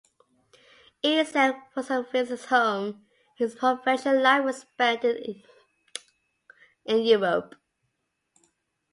Except for some visits home, his professional life was spent in Europe.